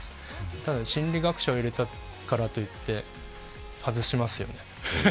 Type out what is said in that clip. ただ、心理学者を入れたからといって外しますよね。